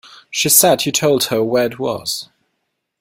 She said you told her where it was.